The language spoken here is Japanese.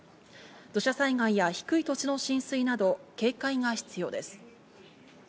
土砂災害や低い土地の浸水など警戒が必要です。